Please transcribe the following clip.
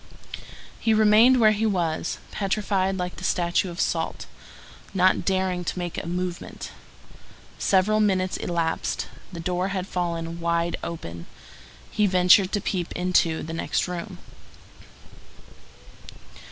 He remained where he was, petrified like the statue of salt, not daring to make a movement. Several minutes elapsed. The door had fallen wide open. He ventured to peep into the next room.